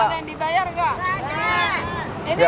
tidak ada yang dibayar tidak